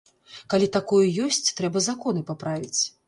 Калі такое ёсць, трэба законы паправіць.